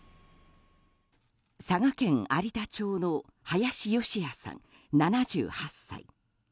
佐賀県有田町の林善也さん、７８歳。